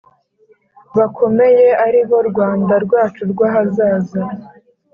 bakomeye aribo Rwanda rwacu rw ahazaza